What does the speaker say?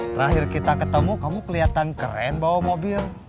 terakhir kita ketemu kamu kelihatan keren bawa mobil